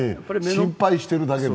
心配してるだけで。